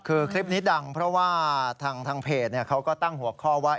คือคลิปนี้ดังเพราะว่าทางเพจเขาก็ตั้งหัวข้อว่า